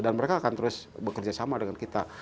dan mereka akan terus bekerja sama dengan kita